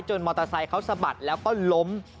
มอเตอร์ไซค์เขาสะบัดแล้วก็ล้ม